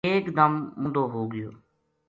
اک دم مُوندو ہو گیو